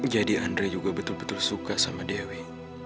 jadi andrei juga betul betul suka sama dewi